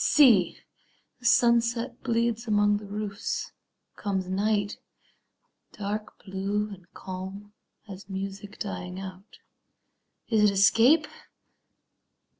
See, The sunset bleeds among the roofs; comes night, Dark blue and calm as music dying out. Is it escape?